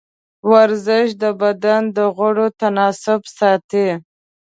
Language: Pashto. ورزش د بدن د غړو تناسب ساتي.